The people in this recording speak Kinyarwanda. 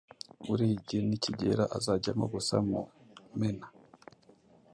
buriya igihe ni kigera azajyamo gusa mu mena,